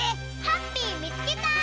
ハッピーみつけた！